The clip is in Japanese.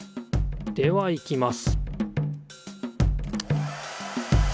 ではいきます